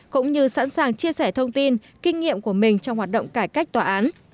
cũng như sẵn sàng chia sẻ thông tin kinh nghiệm của mình trong hoạt động cải cách tòa án